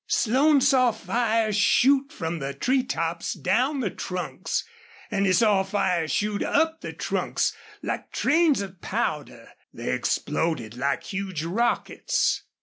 Slone saw fire shoot from the tree tops down the trunks, and he saw fire shoot up the trunks, like trains of powder. They exploded like huge rockets.